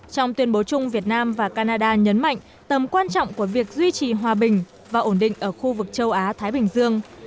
trong tuyên bố chung việt nam và canada nhấn mạnh tầm quan trọng của việc duy trì hòa bình và ổn định ở khu vực châu á thái bình dương